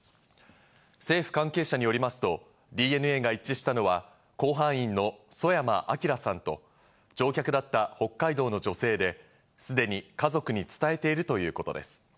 政府関係者によりますとＤＮＡが一致したのは甲板員の曽山聖さんと、乗客だった北海道の女性で、すでに家族に伝えているということです。